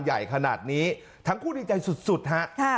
ใหญ่ขนาดนี้ทั้งคู่ดีใจสุดฮะ